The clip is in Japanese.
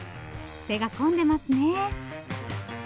手が込んでますね。